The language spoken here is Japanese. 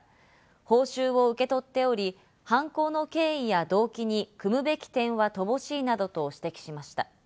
報酬を受け取っており、犯行の経緯や動機に酌むべき点は乏しいなどと指摘しました。